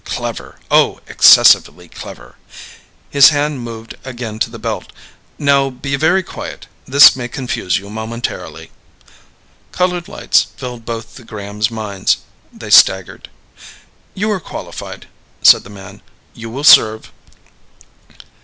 "Clever! Oh, excessively clever!" His hand moved again to the belt. "Now be very quiet. This may confuse you momentarily." Colored lights filled both the Grahams' minds. They staggered. "You are qualified," said the man. "You will serve."